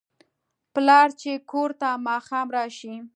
پلار چې کور ته ماښام راشي